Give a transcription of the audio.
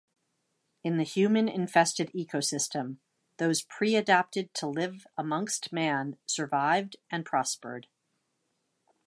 In the human-infested ecosystem, those preadapted to live amongst man survived and prospered.